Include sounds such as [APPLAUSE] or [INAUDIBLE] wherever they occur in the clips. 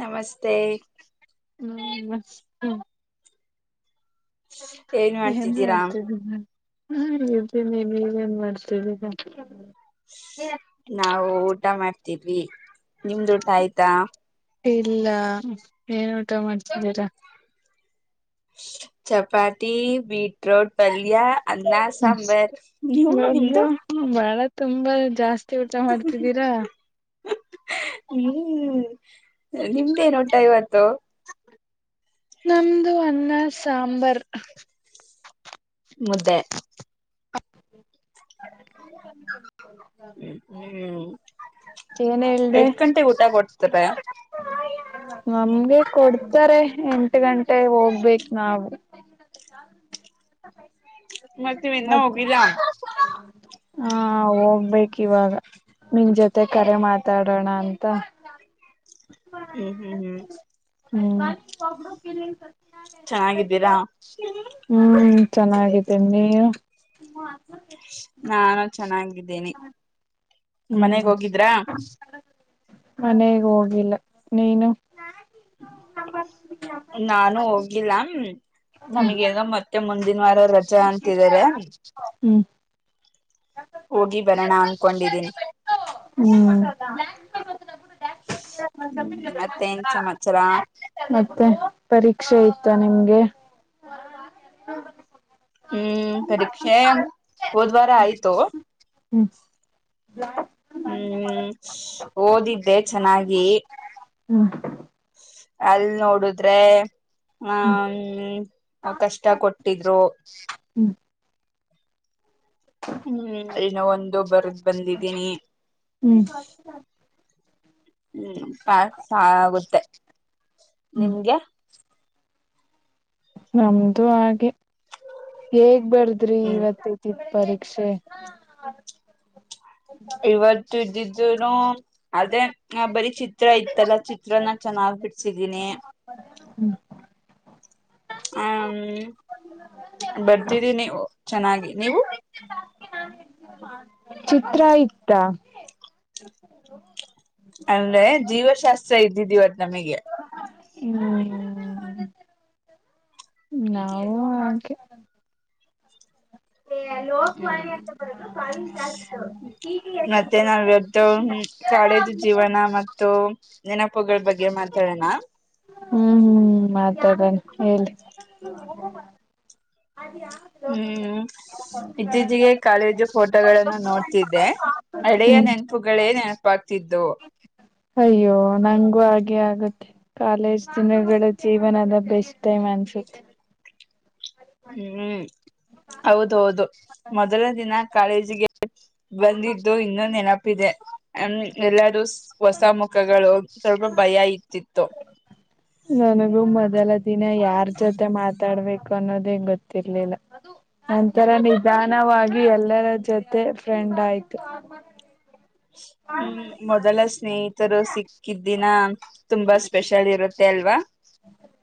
ನಮಸ್ತೆ. ಹ್ಮ್ ನಮಸ್ತೆ. ಏನ್ ಮಾಡ್ತಿದೀರಾ? ಹ ರಿ ಎದ್ದೀನೀ ನೀವ ಏನ್ ಮಾಡ್ತಿದ್ದಿರಾ? ನಾವು ಊಟ ಮಾಡ್ತಿದ್ವಿ ನಿಮ್ದ್ ಊಟ ಆಯ್ತಾ? ಇಲ್ಲ ಏನ್ ಊಟ ಮಾಡ್ತಿದ್ದೀರಾ? ಚಪಾತಿ ಬೀಟ್ರೋಟ್ ಪಲ್ಯ ಅನ್ನ ಸಾಂಬಾರ್ ನೀವು ನಿಮ್ದು? ಒಬ್ರು ಬಾಳ ತುಂಬಾ ಜಾಸ್ತಿ ಊಟ ಮಾಡ್ತಿದ್ದೀರಾ. ಹ್ಮ್ ನಿಮ್ದೇನ್ ಊಟ ಇವತ್ತು? ನಮ್ದು ಅನ್ನ ಸಾಂಬರ್. ಮುದ್ದೆ. ಹ್ ಹ್ಮ್ ಹ್ಮ್ [UNINTELLIGIBLE] ಏನ್ ಹೇಳ್ದೇ? ಎಷ್ಟ್ ಗಂಟೆಗೆ ಊಟ ಕೊಡ್ತಾರೆ ನಮ್ಗೆ ಕೊಡ್ತಾರೆ ಎಂ ಟ್ ಗಂಟೆ ಹೋಗ್ಬೇಕ ನಾವು. ಮತ್ತ ಏನ್ ಇನ್ನ್ ಹೋಗಿಲ್ಲ. ಹಾ ಹೋಗ್ಬೇಕ ಇವಾಗ ನಿನ್ ಜೊತೆ ಕರೆ ಮಾತಾಡೋಣ ಅಂತ [UNINTELLIGIBLE] ಹ್ಮ್ ಹ್ಮ್ ಹ್ಮ್ ಹಂ [UNINTELLIGIBLE] ಚೆನ್ನಾಗಿದ್ದೀರಾ? ಹ್ಮ್ ಚೆನ್ನಾಗಿದ್ದಿನಿ ನೀವು? ನಾನು ಚೆನ್ನಾಗಿದ್ದಿನಿ. ಹ್ಮ್ ಮನೆಗ ಹೋಗಿಲ್ಲ ನೀನು? ನಾನು ಹೋಗಿಲ್ಲಾ ಹಂ ನಮಗೆನ ಮತ್ತೆ ಮುಂದಿನ ವಾರ ರಜಾ ಅಂತಿದಿದ್ದಾರೆ. ಹ್ಮ್ ಹೋಗಿ ಬರಣ ಅನ್ಕೊಂಡಿದ್ದೀನಿ. ಹ್ಮ್ [UNINTELLIGIBLE] ಹ್ಮ್ ಮತ್ತೆನ್ ಸಮಾಚಾರ? ಮತ್ತೆ ಪರೀಕ್ಷೆ ಇತ್ತ ನಿಮ್ಗೆ? ಹ್ಮ್ ಪರೀಕ್ಷೆ ಹೋದ್ವಾರ ಆಯ್ತು. ಲಾ ಹ್ಮ್ ಓದಿದ್ದೆ ಚೆನ್ನಾಗಿ ಹ್ಮ ಅಲ್ ನೋಡುದ್ರೆ ಹ್ಮ್ ಹ ಕಷ್ಟ ಕೊಟ್ಟಿದ್ರು ಹ್ಮ್ ಹ್ಮ್ ಒಂದು ಬರದ್ ಬಂದಿದ್ದೀನಿ. ಹ್ಮ್ ಹ್ಮ್ ಪಾಸ್ ಆಗುತ್ತೆ ಹ್ಮ್ ನಿಮ್ಗೆ? ನಮ್ದು ಹಾಗೆ ಹೇಗ್ ಬರ್ದ್ರಿ ಹ್ಮ್ ಇವತ್ತ ಇದ್ದಿದ್ದ ಪರೀಕ್ಷೆ? ಇವತ್ತ ಇದ್ದಿದ್ದೂನು ಅದೇ ಬರಿ ಚಿತ್ರ ಇತ್ತಲ್ಲ ಚಿತ್ರನ ಚೆನ್ನಾಗ್ ಬಿಡ್ಸಿದೀನಿ. ಹ್ಮ್ ಹಂ ಬರ್ದಿದ್ದೀನಿ ಚೆನ್ನಾಗಿ ನೀವು? ಚಿತ್ರ ಇತ್ತಾ? ಅಂದ್ರೆ ಜೀವಶಾಸ್ತ್ರ ಇದ್ದಿದ ಇವತ್ ನಮಗೆ. [UNINTELLIGIBLE] ನಾವು ಹಾಗೆ ಹೆ ಲೋಕ್ವಾನಿ ಅಂತ ಬರೋದು ಮಾ ಟಾಸ್ಕ್ ಟಿ ಟಿ ಎಸ್ ಅಂತ ಬ ನಾವ ಇವತ್ತು ಕಾಲೇಜು ಜೀವನ ಮತ್ತು ನೆನಪುಗಳ ಬಗ್ಗೆ ಮಾತಾಡೋಣ. ಹ್ಮ್ ಹ್ಮ್ ಮಾತಾಡನ ಹೇಳ್ರೀ ಹ್ಮ್ ಇತ್ತೀಚಿಗೆ ಕಾಲೇಜು ಫೋಟೋಗಳನ್ನು ನೋಡ್ತಿದ್ದೆ. ಹಳೆಯ ಹ್ಮ್ ನೆನಪುಗಳೇ ನೆನಪಾಗತ್ತಿತ್ತು. ಅಯ್ಯೋ ನಂಗೂ ಹಾಗೆ ಆಗುತ್ತೆ. ಕಾಲೇಜ್ ದಿನಗಳ ಜೀವನದ ಬೆಸ್ಟ್ ಟೈಮ್ ಅನ್ಸುತ್ತೆ. ಹ್ಮ್ ಹೌದ ಹೌದು ಮೊದಲ ದಿನ ಕಾಲೇಜಿಗೆ ಬಂದಿದ್ದು ಇನ್ನ ನೆನಪಿದೆ ಹ ಎಲ್ಲಾರೂ ಹೊಸ ಮುಖಗಳು ಸ್ವಲ್ಪ ಭಯ ಇತಿತ್ತು. ನನಗೂ ಮೊದಲ ದಿನ ಯಾರ್ ಜೊತೆ ಮಾತ್ ತಾಡ್ಬೇಕು ಅನ್ನೋದೇ ಗೊತ್ತಿರ್ಲಿಲ್ಲ. ನಂತರ ನಿಧಾನವಾಗಿ ಎಲ್ಲಾರ ಜೊತೆ ಫ್ರೆಂಡ್ ಆಯ್ತು. ಹ್ಮ್ ಮೊದಲ ಸ್ನೇಹಿತರು ಸಿಕ್ಕಿದ ದಿನ. ತುಂಬಾ ಸ್ಪೆಷಲ್ ಇರುತ್ತೆ ಅಲ್ವಾ.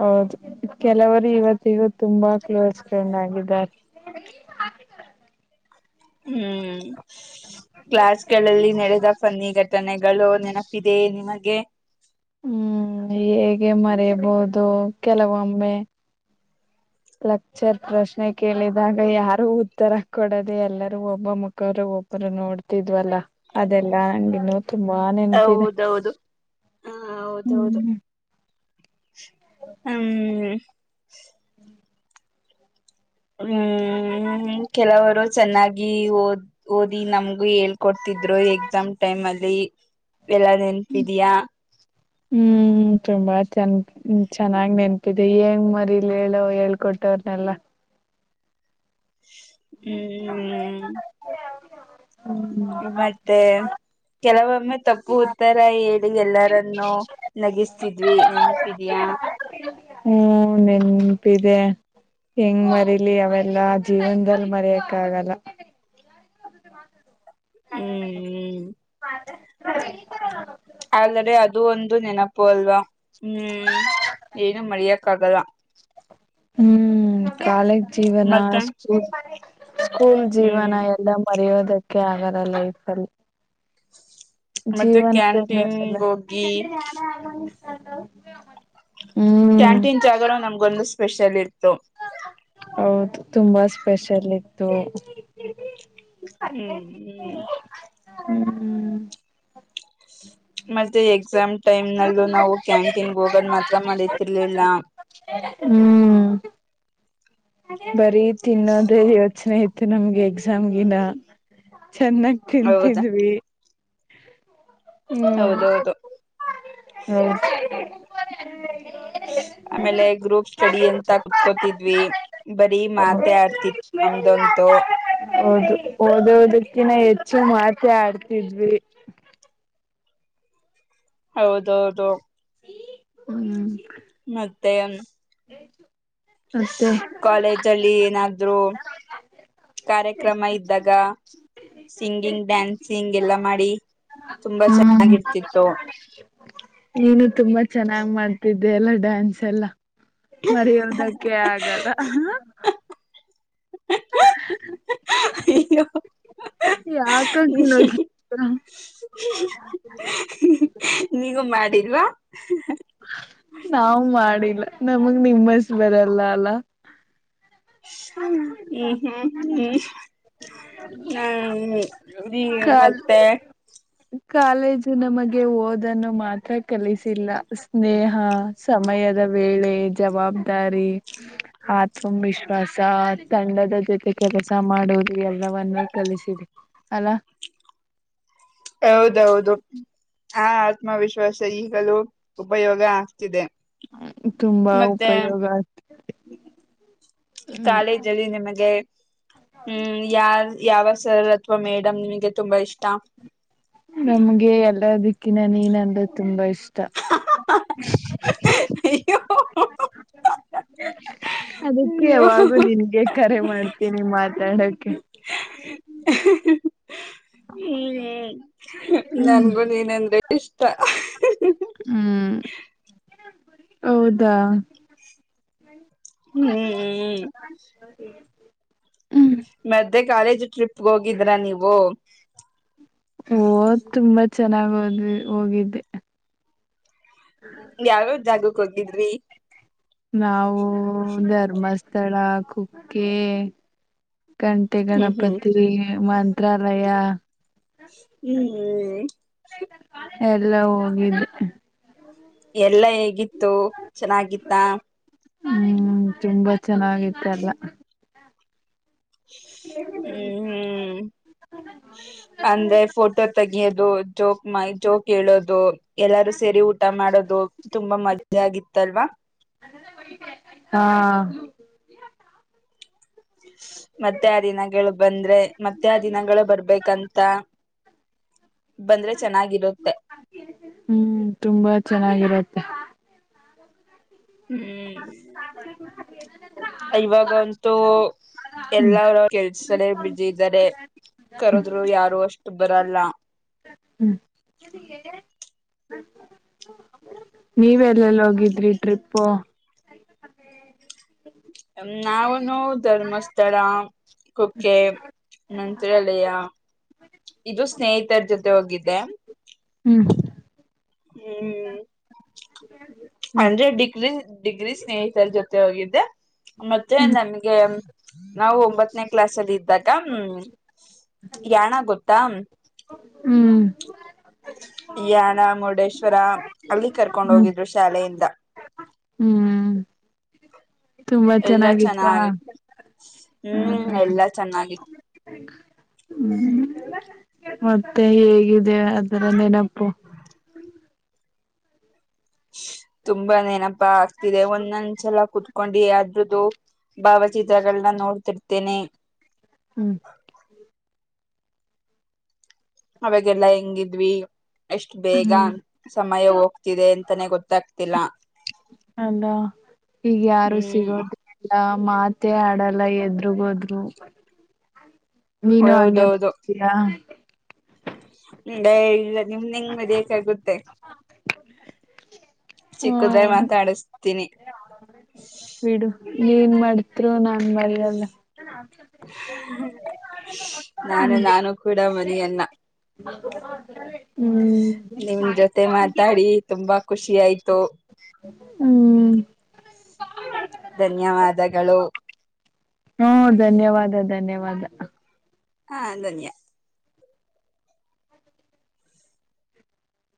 ಹೌದು ಕೆಲವರು ಇವತ್ತಿಗೂ ತುಂಬಾ ಕ್ಲೋಸ್ ಫ್ರೆಂಡ್ ಆಗಿದ್ದಾರೆ. ಹ್ಮ್ ಕ್ಲಾಸ್ ಗಳಲ್ಲಿ ನಡೆದ ಪನ್ನಿ ಘಟ್ ಟನೆಗಳು ನೆನಪಿದೆ ನಿಮಗೆ. ಹ್ಮ್ ಹೇಗೆ ಮರೆಯಬಹುದು ಕೆಲವೊಮ್ಮೆ. ಲೆಕ್ಚರ್ ಪ್ರಶ್ನೆ ಕೇಳಿದಾಗ ಯಾರು ಉತ್ತರ ಕೊಡದೇ ಎಲ್ಲರೂ ಒಬ್ಬ ಮುಕ್ ಕ್ಕರು ಒಬ್ಬರು ನೋಡ್ತಿದ್ವಲ್ಲಾ ಅದೆಲ್ಲಾ ಹಂಗ್ ಇನ್ನೂ ತುಂಬಾ ನೆನಪಿದೆ ಹೌದೌದು ಹ ಹೌದೌದು ಹ್ಮ್. ಹ್ಮ್ ಹ್ಮ್ ಕೆಲವರು ಚೆನ್ನಾಗಿ ಓದ್ ಓದಿ ನಮಗು ಹೇಳ್ಕೊ ತ್ತಿದ್ರು ಎಕ್ಸಾಮ್ ಟೈಮ್ ಅಲ್ಲಿ ಎಲ್ಲಾ ನೆನಪಿದಿಯಾ. ಹ್ಮ್ ತುಂಬಾ ಚಂದ ಚೆನ್ನಾಗ್ ನೆನಪಿದೆ ಹೆಂಗ್ ಮರಿಲಿ ಹೇಳೋ ಹೇಳ್ಕೊಟ್ಟವರನೆಲ್ಲಾ. ಹ್ಮ್ ಹ್ಮ್ ಮತ್ತೆ ಕೆಲವೊಮ್ಮೆ ತಪ್ಪು ಉತ್ತರ ಹೇಳಿ ಎಲ್ಲಾರನ್ನು ನಗಿಸ್ತಿದ್ವಿ ನೆನಪಿದಿಯಾ. ಹ್ಮ್ ನೆನಪಿದೆ. ಹೆಂಗ್ ಮಾರಿಲಿ ಅವೆಲ್ಲಾ ಜೀವನದಲ್ಲಿ ಮಾರಿಯೋಕೆ ಆಗಲ್ಲ. ಹ್ಮ್ [UNINTELLIGIBLE] ಈತರ ನೋಡು. ಆದರೆ ಅದು ಒಂದು ನೆನಪು ಅಲ್ವಾ ಹ್ಮ್ ಏನು ಮರಿಯಾಕ್ಕ ಆಗಲ್ಲ. ಹ್ಮ್ ಕಾಲೇಜ್ ಜೀವನ ಮತ್ತೆ ಸ್ಕೂಲ್ ಸ್ಕೂಲ್ ಜೀವನ ಹ್ಮ್ ಎಲ್ಲಾ ಮರೆಯೋದಕ್ಕೆ ಆಗಲ್ಲ ಲೈಫ್ ಅಲ್ಲಿ. ಮತ್ತೆ ಕ್ಯಾಂಟೀನ್ ಜೀವನದಲ್ಲಿ ಹೋಗಿ [UNINTELLIGIBLE] ಹ್ಮ್ ಕ್ಯಾಂಟೀನ್ ಜಾಗಗಳು ನಮಗೆ ಒಂದು ಸ್ಪೇಷಲ್ ಇತ್ತು. ಹೌದು ತುಂಬಾ ಸ್ಪೇಷಲ್ ಇತ್ತು. ಹ್ಮ್ ಹ್ಮ್. ಹ್ಮ್ ಹ್ಮ್ ಮತ್ತೆ ಎಕ್ಸಾಮ್ ಟೈಮ್ ನಲ್ಲೂ ನಾವು ಕ್ಯಾಂಟೀನ್ಗೆ ಹೋಗದ ಮಾತ್ರ ಮರಿತ್ತಿರಲಿಲ್ಲ. ಹ್ಮ್ ಬರೀ ತಿನ್ನೋದ ಯೋಚನೆ ಐತ್ತಿ ನಮ್ಗ ಎಕ್ಸಾಮ್ ಗಿನ್ನ ಚೆನ್ನಾಗ ಹೌದಾ ತಿಂತಿದ್ವಿ. ಹೌದೌದು ಹ್ಮ [UNINTELLIGIBLE] ಆಮೇಲೆ ಗ್ರೂಪ್ ಸ್ಟಡಿ ಎಂತ ಕುತ್ಕೋತಿದ್ವಿ ಬರೀ ಮಾತೆ ಆಡ್ತಿತ್ತು ನಮ್ದಂತು. ಹೌದು ಓದೋದಕ್ಕಿನ ಹೆಚ್ಚು ಮಾತೆ ಆಡ್ತಿದ್ವಿ. ಹೌದೌದು. ಹ್ಮ್ ಮತ್ತೆನ್ ಮತ್ತೆ ಕಾಲೇಜ್ ಅಲ್ಲಿ ಏನಾದರು ಕಾರ್ಯಕ್ರಮ ಇದ್ದಾಗ. ಸಿಂಗಿಂಗ್ ಡ್ಯಾನ್ಸಿಂಗ್ ಎಲ್ಲ್ ಮಾಡಿ. ತುಂಬಾ ಹ್ಮ್ ಚೆನ್ನಾಗಿರ್ತಿತ್ತು ನೀನು ತುಂಬಾ ಚೆನ್ನಾಗ್ ಮಾಡ್ತಿದ್ದೆ ಎಲ್ಲ ಡ್ಯಾನ್ಸ್ ಎಲ್ಲ. ಮರೆಯೋದಕ್ಕೆ ಆಗಲ್ಲ. ಅಯ್ಯೋ ಯಾಕ ಅಂಗ್ ನಗ್ತಿ ನೀವು ಮಾಡಿಲ್ವಾ. ನಾವು ಮಾಡಿಲ್ಲ ನಮಗ್ ನಿಮ್ಮಷ್ಟ್ ಬರಲ್ಲ ಅಲ್ಲ ಹ್ಮ್ ಹ್ಮ್ ಹ್ಮ್ ಹ್ಮ್ ಹ್ ಈ ಕಾಲ್ ಮತ್ತೆ ಕಾಲೇಜು ನಮಗೆ ಓದನ್ನು ಮಾತ್ರ ಕಲಿಸಿಲ್ಲ ಸ್ನೇಹ ಸಮಯದ ವೇಳೆ ಜವಾಬ್ದಾರಿ ಆತ್ಮವಿಶ್ವಾಸ ತಂಡದ ಜೊತೆ ಕೆಲಸ ಮಾಡುವುದು ಎಲ್ಲವನ್ನೂ ಕಲಿಸಿದೆ ಅಲ್ಲ್ ಹೌದೌದು ಆ ಆತ್ಮವಿಶ್ವಾಸ ಈಗಲೂ ಉಪಯೋಗ ಆಗ್ತಿದೆ ತುಂಬಾ ಮತ್ತೆ ಉಪಯೋಗ ಆಗತ್ತಿದೆ ಕಾಲೇಜಲ್ಲಿ ನಿಮಗೆ ಹ್ಮ್ ಯಾರ್ ಯಾವ ಸರ್ ಅಥವಾ ಮೇಡಮ್ ನಿಮಗೆ ತುಂಬಾ ಇಷ್ಟ ನಮ್ಗೆ ಎಲ್ಲದಿಕ್ಕಿನ ನೀನಂದ್ರೆ ತುಂಬಾ ಇಷ್ಟ ಇಷ್ಟ ಅಯ್ಯೋ ಹ್ಮ್ ಅದಕ್ಕೆ ಅಯ್ಯೋ ಯಾವಾಗು ನಿನ್ಗೆ ಕರೆ ಮಾಡ್ತೀನಿ ಮಾತಾಡಕ್ಕೆ [UNINTELLIGIBLE] ಹ್ಮ್ ಹ್ಮ್ ಹ್ಮ್ ನನ್ಗೂ ನೀನಂದ್ರೆ ಇಷ್ಟ ಹ್ಮ್ ಹೌದಾ ಹ್ಮ್ ಹ್ಮ್ ಮತ್ತೆ ಕಾಲೇಜ್ ಟ್ರಿಪ್ಗ್ ಹೋಗಿದ್ರ ನೀವು ಓ ತುಂಬಾ ಚೆನ್ನಾಗ್ ಓದಿದ ಹೋಗಿದ್ದೆ ಯಾವ್ಯಾವ ಜಾಗಕ್ ಹೋಗಿದ್ರಿ ನಾವು ಧರ್ಮಸ್ಥಳ ಕುಕ್ಕೆ ಕಂಟೆ ಹ್ಮ್ ಹ್ಮ್ ಗಣಪತಿ ಮಂತ್ರಾಲಯ ಹ್ಮ್ ಹ್ಮ್ ಎಲ್ಲ್ ಹೋಗಿದ್ದೆ ಎಲ್ಲ್ ಹೇಗಿತ್ತು ಚೆನ್ನಾಗಿತ್ತಾ ಹ್ಮ್ ತುಂಬಾ ಚೆನ್ನಾಗಿತ್ತ ಎಲ್ಲಾ ಹ್ಮ್ ಹ್ಮ್ ಅಂದ್ರೆ ಫೋಟೋ ತೆಗಿಯೋದು ಜೋಕ್ ಮ ಜೋಕ್ ಹೇಳೋದು ಎಲ್ಲಾರೂ ಸೇರಿ ಊಟ ಮಾಡೋದು ತುಂಬಾ ಮಜ್ಜಾ ಆಗಿತ್ತಲ್ವಾ ಹಾ ಮತ್ತೆ ಆ ದಿನಗಳು ಬಂದ್ರೆ ಮತ್ತೆ ಆ ದಿನಗಳು ಬರ್ಬೇಕಂತ ಬಂದ್ರೆ ಚೆನ್ನಾಗಿರುತ್ತೆ ಹ್ಮ್ ತುಂಬಾ ಚೆನ್ನಾಗಿರತ್ತೆ ಹ್ಮ್ [UNINTELLIGIBLE] ಇವಾಗಂತೂ ಹ್ಮ್ ಎಲ್ಲರು ಅವರವರ ಕೆಲಸದಲ್ಲಿ ಬಿಜಿ ಇದ್ದಾರೆ ಕರೋದ್ರು ಯಾರು ಅಷ್ಟು ಬರಲ್ಲ ಹ್ಮ್ ನೀವಲ್ಲೆಲ್ಲಿ ಹೋಗಿದ್ರಿ ಟ್ರಿಪ್ು ನಾವನು ಧರ್ಮಸ್ಥಳ ಕುಕ್ಕೆ ನಂತರ ಅಲಯ ಇದು ಸ್ನೇಹಿತರ ಜೊತೆ ಹೋಗಿದ್ದೆ. ಹ್ಮ್ ಹ್ಮ್ ಹ್ಮ್ ಅಂದ್ರೆ ಡಿಗ್ರ ಡಿಗ್ರೀ ಸ್ನೇಹಿತರ ಜೊತೆ ಹೋಗಿದ್ದೆ ಮತ್ತೆ ನಮ್ಗೆ ನಾವು ಒಂಬತ್ತನೇ ಕ್ಲಾಸ್ ಅಲ್ಲಿ ಇದೆ ಅದಾಗ ಹ್ಮ ಯಾಣಾಗೊತ್ತಾ ಹ್ಮ್ ಯಾನ ಮುರುಡೇಶ್ವರ ಅಲ್ಲಿ ಕರ್ಕೊಂಡ್ ಹ್ಮ್ ಹೋಗಿದ್ರು ಶಾಲೆಯಿಂದ ಹ್ಮ್. ತುಂಬಾ ಎಲ್ಲಾ ಚೆನ್ನಾಗಿತ್ತ ಚೆನ್ನಾಗಿ ಹ್ಮ್ ಎಲ್ಲಾ ಚೆನ್ನಾಗಿತ್ತು ಹ್ಮ್ ಮತ್ತೆ ಹೇಗಿದೆ ಅದರ ನೆನಪು. ತುಂಬಾ ನೆನಪಾ ಆಗ್ತಿದೆ ಒಂದನ್. ಚೆಲ ಕುೂತ್ಕೊಂಡು ಅದ್ರದ್ದು ಭಾವಚಿತ್ರಗಳನ್ನ ನೋಡ್ತಿರ್ತೇ. ನೆ ಹ್ಮ್. ಅವಾಗೆಲ್ಲಾ ಹೆಂಗಿದ್ವಿ ಎಷ್ಟು ಬೇಗ ಹ್ಮ್ ಸಮಯ ಹೋಗ್ತಿದೆ ಅಂತಾನೇ ಗೊತ್ತಾಗ್ತಿಲ್ಲ ಅಲ್ಲ ಈಗ ಯಾರು ಹ್ಮ್ ಸಿಗೋದು ಲ್ಲ ಮಾತೇ ಆಡಲ್ಲ ಎದರುಗ್ೋದ್ರು ನೀನು ಹೌದೌದು ಹಂಗೇತಯಾ ಹ ಇಲ್ಲ ನಿಮ್ ನಿಂಗ್ ಬರಿ ಆಗುತ್ತೆ ಚಿಕ್ಕದ್ರ ಹ್ಮ ಮಾತಾಡಸ್ತೀನಿ ಬಿಡು ನೀ ಏನ್ ಮಾಡ್ತ್ರು ನಾನ್ ಮರಯಲ್ಲ ನಾನ ನಾನು ಕೂಡ ಮರೆಯಲ್ಲ. [UNINTELLIGIBLE] ನಿಮ್ ಜೊತೆ ಮಾತಾಡಿ ತುಂಬಾ ಖುಷಿ ಆಯ್ತು ಹ್ಮ್ ಧನ್ಯವಾದಗಳು ಹ್ಮ್ ಧನ್ಯವಾದ ಧನ್ಯವಾದ ಹಾ ಧನ್ಯ